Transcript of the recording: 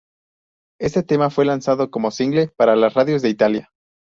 Este tema fue lanzado como "single" para las radios de Italia.